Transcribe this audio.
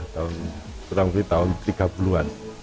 tahun kurang lebih tahun tiga puluh an